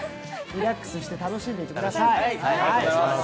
リラックスして楽しんでください。